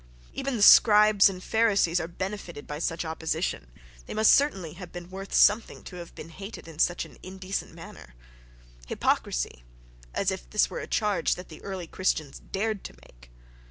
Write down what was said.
Even the scribes and pharisees are benefitted by such opposition: they must certainly have been worth something to have been hated in such an indecent manner. Hypocrisy—as if this were a charge that the "early Christians" dared to make!